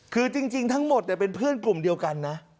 คือจริงทั้งหมดเป็นเพื่อนกลุ่มเดียวกันนะ